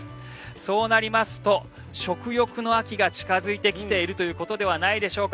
そうなりますと、食欲の秋が近付いてきているということではないでしょうか。